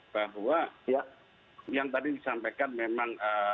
bahwa yang tadi disampaikan